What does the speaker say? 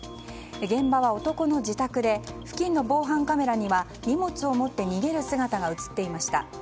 現場は男の自宅で付近の防犯カメラには荷物を持って逃げる姿が映っていました。